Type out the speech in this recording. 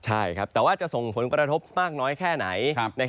ใช่ครับแต่ว่าจะส่งผลกระทบมากน้อยแค่ไหน